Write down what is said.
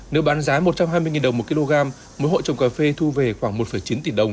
nếu bán giá một trăm hai mươi đồng một kg mỗi hộ trồng cà phê thu về khoảng một chín tỷ đồng